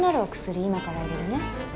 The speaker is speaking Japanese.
今から入れるね